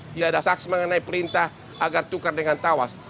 tidak ada saksi mengenai perintah agar tukar dengan tawas